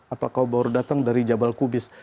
apa kau baru datang dari jabal kubis